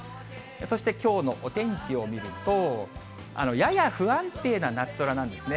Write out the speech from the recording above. そしてきょうのお天気を見ると、やや不安定な夏空なんですね。